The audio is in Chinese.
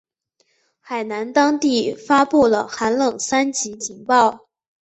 海南当地发布了寒冷三级警报。